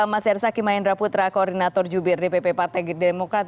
mas yersaki maendra putra koordinator jubir di pp partai demokrat